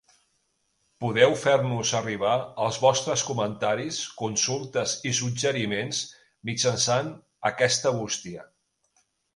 Podeu fer-nos arribar els vostres comentaris, consultes i suggeriments mitjançant aquesta Bústia.